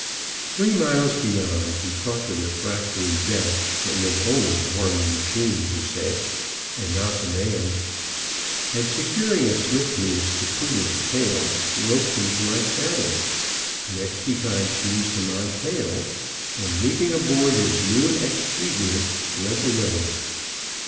Three miles beyond he caught the refractory jack that meant only to harm the machine, he said, and not the man, and securing a slipnoose to Poodle's tail, roped him to my saddle; next he tied Cheese to my tail, and leaping aboard his new expedient led the way.